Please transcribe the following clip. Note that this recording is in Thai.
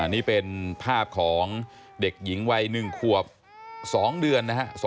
นี่เป็นภาพของเด็กหญิงวัย๑ขวบ๒เดือนนะครับ